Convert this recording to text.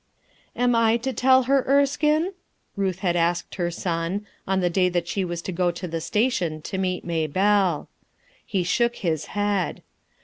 "Am I to tell her, Erskine?" R ut h fc^d asked her son, on the day that she w*3 to go t the station to meet Maybelle. He shook his head.